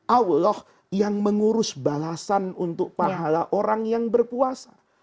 allah yang mengurus balasan untuk pahala orang yang berpuasa